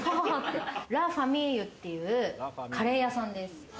ラ・ファミーユというカレー屋さんです。